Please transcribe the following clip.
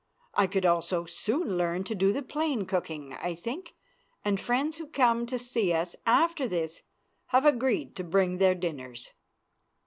I could also soon learn to do the plain cooking, I think, and friends who come to see us after this have agreed to bring their dinners.